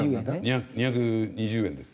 ２２０円です。